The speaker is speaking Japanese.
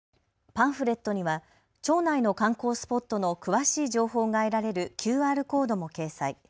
パンフレットには町内の観光スポットの詳しい情報が得られるＱＲコードも掲載。